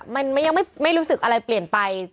มันยังไม่รู้สึกอะไรเปลี่ยนไป